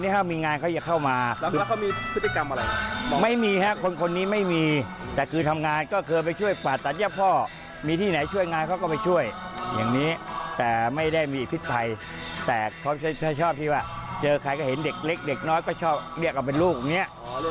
เห็นเด็กเล็กเด็กน้อยก็ชอบเรียกเอาเป็นลูกอย่างนี้